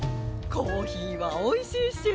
コーヒーはおいしいし。